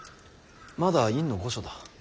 まだ院御所だ。